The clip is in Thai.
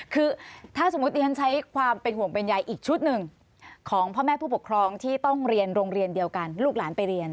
คือถ้าสมมุติฉันใช้ความเป็นห่วงเป็นใยอีกชุดหนึ่งของพ่อแม่ผู้ปกครองที่ต้องเรียนโรงเรียนเดียวกันลูกหลานไปเรียน